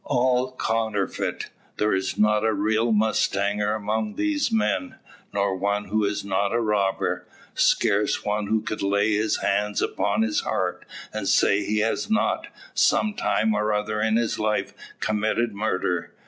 All counterfeit! There is not a real mustanger among these men, nor one who is not a robber; scarce one who could lay his hand upon his heart, and say he has not, some time or other in his life, committed murder!